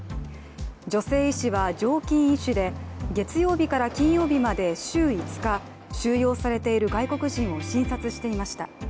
女性医師は、常勤医師で月曜日から金曜日まで週５日収容されている外国人を診察していました。